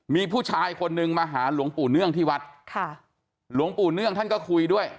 มีผู้ชายคนนึงมาหาหลวงปู่เนื่องที่วัดค่ะหลวงปู่เนื่องท่านก็คุยด้วย